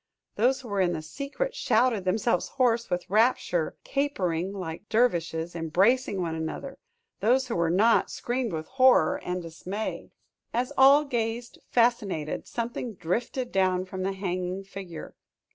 Those who were in the secret shouted themselves hoarse with rapture, capering like dervishes, embracing one another; those who were not, screamed with horror and dismay. As all gazed fascinated, something drifted down from the hanging figure.